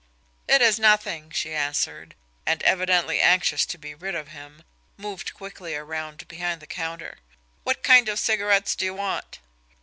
"It is nothing," she answered; and, evidently anxious to be rid of him, moved quickly around behind the counter. "What kind of cigarettes do you want?"